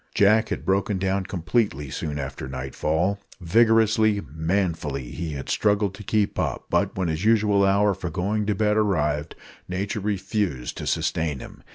Jack had broken down completely soon after nightfall. Vigorously, manfully had he struggled to keep up; but when his usual hour for going to bed arrived, nature refused to sustain him.